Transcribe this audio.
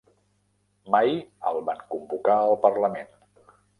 Mai el van convocar al parlament.